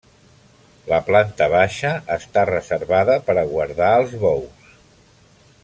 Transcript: La planta baixa està reservada per a guardar els bous.